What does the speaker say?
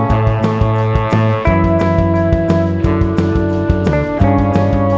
matamu an profiek kok dai